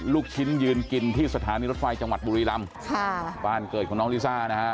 ลูกชิ้นยืนกินที่สถานีรถไฟจังหวัดบุรีรำค่ะบ้านเกิดของน้องลิซ่านะฮะ